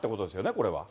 これは。